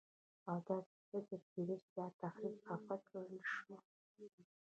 او داسې فکر کېده چې دا تحریک خفه کړی شو.